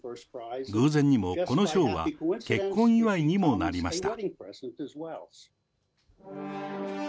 偶然にもこの賞は結婚祝いにもなりました。